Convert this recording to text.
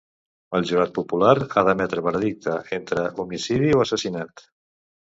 El jurat popular ha d'emetre veredicte entre homicidi o assassinat.